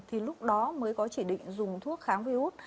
thì lúc đó mới có chỉ định dùng thuốc kháng viếu hút